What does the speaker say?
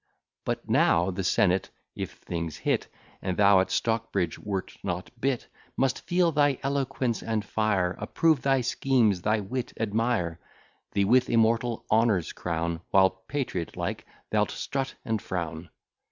But now the senate (if things hit, And thou at Stockbridge wert not bit) Must feel thy eloquence and fire, Approve thy schemes, thy wit admire, Thee with immortal honours crown, While, patriot like, thou'lt strut and frown.